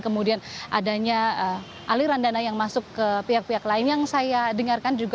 kemudian adanya aliran dana yang masuk ke pihak pihak lain yang saya dengarkan juga